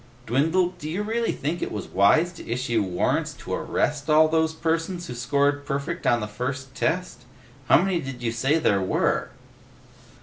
"Dwindle, do you really think it was wise to issue warrants to arrest all those persons who scored perfect on the first test? How many did you say there were?"